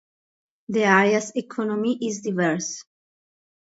The area's economy is diverse.